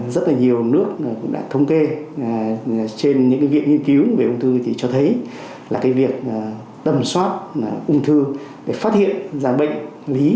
rất nhiều nước đã thông kê trên những viện nghiên cứu về ung thư cho thấy là việc tầm soát ung thư để phát hiện ra bệnh lý